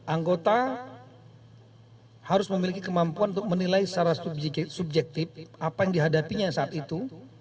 anggota harus memiliki kemampuan untuk menilai secara subjektif apa yang dihadapinya saat itu